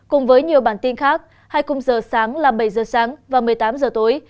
cùng với nhiều bản tin khác hai cùng giờ sáng là bảy giờ sáng và một mươi tám giờ tối